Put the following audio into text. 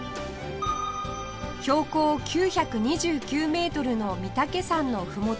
標高９２９メートルの御岳山のふもと